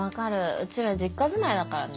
うちら実家住まいだからね。